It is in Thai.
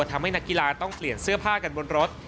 นักกีฬาต้องเปลี่ยนเสื้อผ้ากันบนรถ